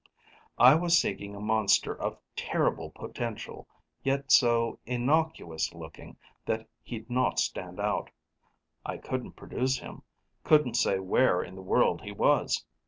I was seeking a monster of terrible potential, yet so innocuous looking that he'd not stand out. I couldn't produce him, couldn't say where in the world he was.